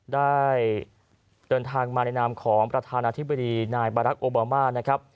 ได้เดินทางมาในนามของประธานาธิบดีนายบารักษ์โอบามานะครับ